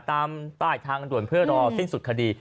ตามอ่านทางรื่นเพื่อรอสิ้นสุดคดี